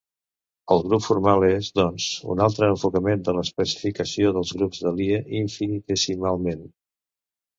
El grup formal és, doncs, un altre enfocament de l'especificació dels grups de Lie, infinitessimalment.